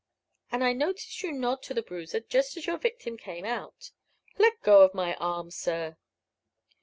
And I noticed you nod to the bruiser, just as your victim came out." "Let go of my arm, sir!"